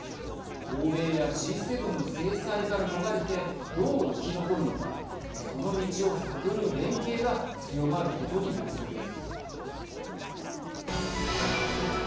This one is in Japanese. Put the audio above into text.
欧米やＧ７の制裁から逃れてどう生き残るのかその道を探る連携が強まることになりそうです。